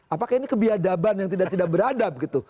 apakah ini kebiadaban yang tidak tidak beradab gitu